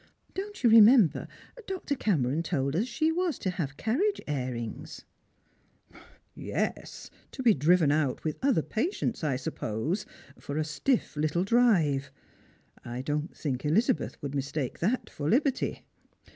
Don't you remember Dr. Cameron told us she was to have carriage airings ?"" Yes, to be driven out with other patients, I suppose, for a stiff little drive. I don't think Elizabeth would mistake that for liberty.